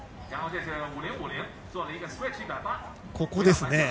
ここですね。